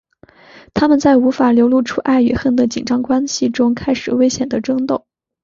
他们在无法流露出爱与恨的紧张关系中开始危险的争斗。